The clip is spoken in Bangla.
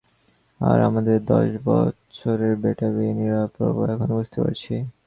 আর আমাদের দশ বৎসরের বেটা-বিউনিরা!!! প্রভো, এখন বুঝতে পারছি।